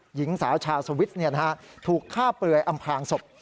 หญิงสาวชาวสวิทย์ถูกฆ่าเปลือยอำพลางศพ